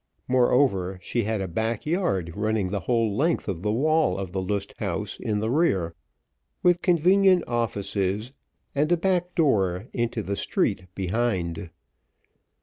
Moreover, she had a back yard running the whole length of the wall of the Lust Haus in the rear, with convenient offices, and a back door into the street behind.